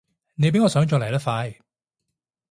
你比我想像嚟得快